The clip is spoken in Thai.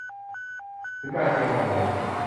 หรือการเก็งกำไร